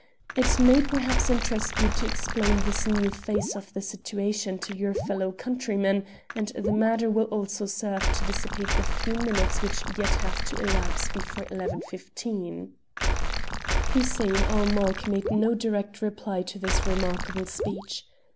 It may perhaps interest you to explain this new phase of the situation to your fellow countrymen, and the matter will also serve to dissipate the few minutes which yet have to elapse before 11.15." Hussein ul Mulk made no direct reply to this remarkable speech.